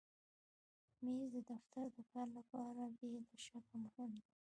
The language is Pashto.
مېز د دفتر د کار لپاره بې له شکه مهم دی.